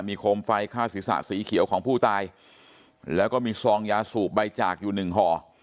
มีโคมไฟฆ่าศีรษะสีเขียวของผู้ตายแล้วก็มีซองยาสูบใบจากอยู่หนึ่งห่อ